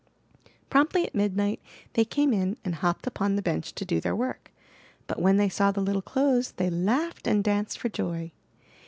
Promptly at midnight they came in and hopped upon the bench to do their work; but when they saw the little clothes they laughed and danced for joy.